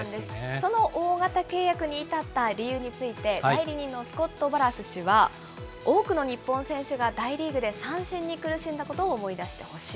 その大型契約に至った理由について、代理人のスコット・ボラス氏は、多くの日本選手が大リーグで三振に苦しんだことを思い出してほしい。